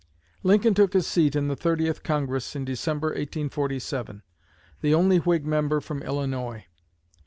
Lincoln took his seat in the Thirtieth Congress in December, 1847, the only Whig member from Illinois.